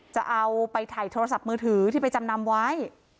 จะเอาไปถ่ายโทรศัพท์มือถือที่ไปจำนำไว้